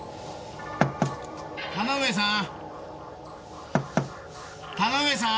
田ノ上さん？